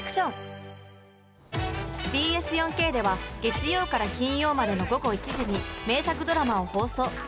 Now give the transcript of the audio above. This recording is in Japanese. ＢＳ４Ｋでは月曜から金曜までの午後１時に名作ドラマを放送。